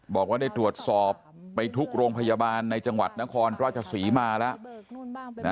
บอกว่าได้ตรวจสอบไปทุกโรงพยาบาลในจังหวัดนครราชศรีมาแล้ว